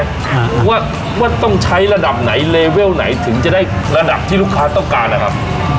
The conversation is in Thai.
ค่ะว่าต้องใช้ระดับไหนเลเวลไหนถึงจะได้ระดับที่ลูกค้าต้องการนะครับ